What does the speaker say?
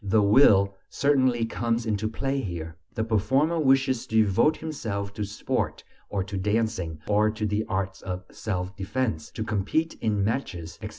The will certainly comes into play here: the performer wishes to devote himself to sport, or to dancing, or to the arts of self defense, to compete in matches, etc....